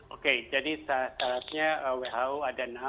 oke jadi syaratnya who ada enam